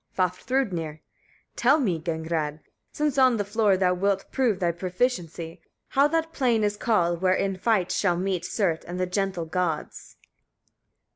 Vafthrûdnir. 17. Tell me, Gagnrâd! since on the floor thou wilt prove thy proficiency, how that plain is called, where in fight shall meet Surt and the gentle Gods?